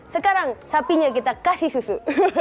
sekarang sapinya kita kasih susu